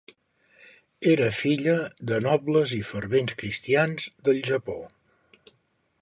Era filla de nobles i fervents cristians del Japó.